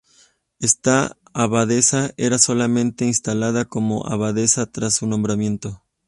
Esta abadesa era solemnemente instalada como abadesa tras su nombramiento.